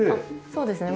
そうですね。